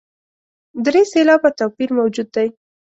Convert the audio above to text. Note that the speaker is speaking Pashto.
درې سېلابه توپیر موجود دی.